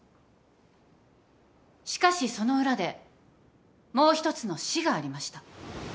しかしその裏でもう一つの死がありました。